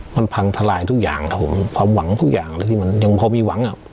มันพังทลายทุกอย่างครับผมความหวังทุกอย่างเลยที่มันยังพอมีหวังอ่ะ